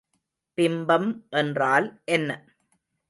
பிம்பம் என்றால் என்ன?